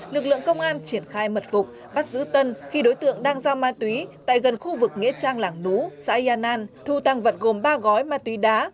lực lượng công an triển khai mật phục bắt giữ tân khi đối tượng đang giao ma túy tại gần khu vực nghĩa trang lảng nú xã yên an thu tăng vật gồm ba gói ma túy đá